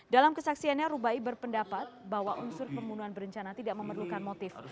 dalam kesaksiannya rubai berpendapat bahwa unsur pembunuhan berencana tidak memerlukan motif